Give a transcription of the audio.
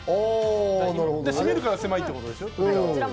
閉めるから狭いっていうことでしょう？